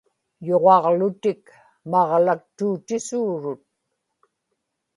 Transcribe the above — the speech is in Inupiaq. yuġaġlutik maġlaktuutisuurut